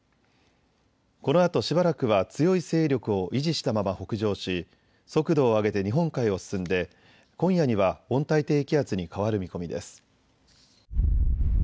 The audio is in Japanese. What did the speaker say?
このあとしばらくは強い勢力を維持したまま北上し速度を上げて日本海を進んで今夜には温帯低気圧に変わる見込みです。